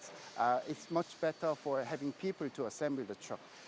lebih baik untuk memiliki orang untuk menggabungkan truk